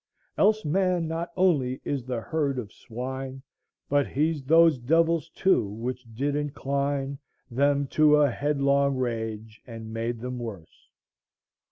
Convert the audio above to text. Else man not only is the herd of swine, But he's those devils too which did incline Them to a headlong rage, and made them worse."